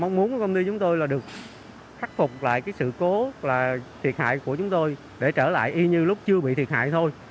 mong muốn của công ty chúng tôi là được khắc phục lại cái sự cố là thiệt hại của chúng tôi để trở lại y như lúc chưa bị thiệt hại thôi